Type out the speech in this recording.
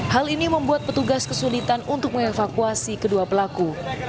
hal ini membuat petugas kesulitan untuk mengevakuasi kedua pelaku